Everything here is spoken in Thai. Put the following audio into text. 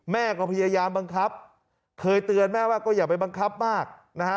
แม่ก็พยายามบังคับเคยเตือนแม่ว่าก็อย่าไปบังคับมากนะฮะ